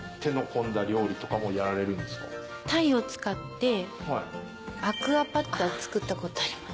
鯛を使ってアクアパッツァ作ったことあります。